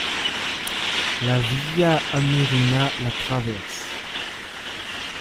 La via Amerina la traverse.